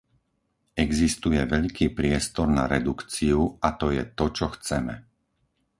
Existuje veľký priestor na redukciu a to je to, čo chceme.